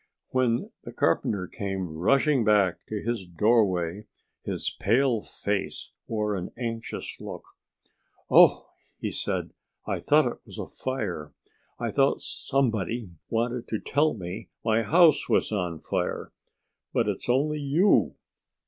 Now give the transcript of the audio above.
When the carpenter came rushing back to his doorway his pale face wore an anxious look. "Oh!" he said. "I thought it was a fire. I thought somebody wanted to tell me my house was on fire. But it's only you.